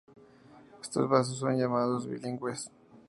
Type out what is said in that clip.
Estos vasos son llamados ‘’bilingües’’.